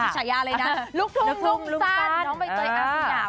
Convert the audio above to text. ชายาเลยนะลุกทุ่งนุ่งสั้นน้องใบเตยอาซินา